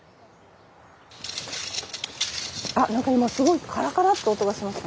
あっ何か今すごいカラカラって音がしました。